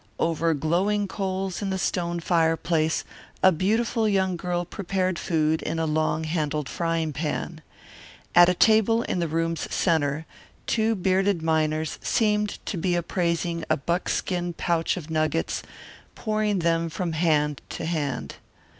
Over glowing coals in the stone fireplace a beautiful young girl prepared food in a long handled frying pan. At a table in the room's centre two bearded miners seemed to be appraising a buckskin pouch of nuggets, pouring them from hand to hand.